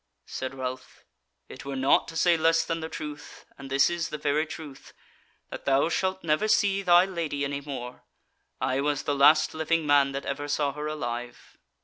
Said Ralph: "It were naught to say less than the truth; and this is the very truth, that thou shalt never see thy Lady any more. I was the last living man that ever saw her alive."